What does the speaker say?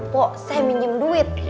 pok saya minjem duit